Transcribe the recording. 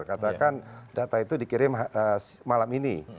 katakan data itu dikirim malam ini